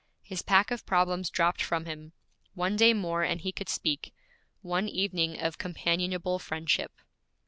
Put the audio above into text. His pack of problems dropped from him. One day more and he could speak one evening of companionable friendship.